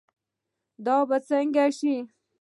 دا به سنګه شي